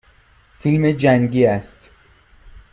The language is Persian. فیلم جنگی است.